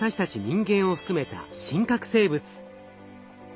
人間を含めた真核生物。